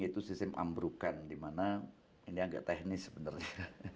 itu sistem ambrukan dimana ini agak teknis sebenarnya